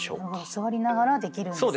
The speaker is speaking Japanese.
座りながらできるんですね。